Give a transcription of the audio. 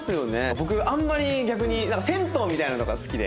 僕あんまり逆に銭湯みたいなのとかが好きで。